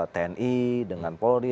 tni dengan polri